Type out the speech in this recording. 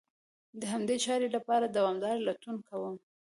د همدې چارې لپاره دوامداره لټون کوي.